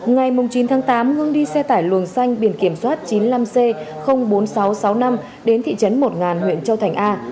ngày chín tháng tám hưng đi xe tải luồng xanh biển kiểm soát chín mươi năm c bốn nghìn sáu trăm sáu mươi năm đến thị trấn một huyện châu thành a